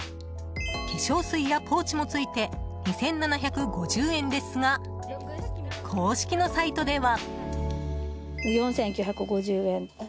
化粧水やポーチもついて２７５０円ですが公式のサイトでは。